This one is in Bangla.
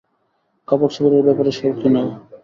কাপড় চোপড়ের ব্যাপারে শৌখিন ও।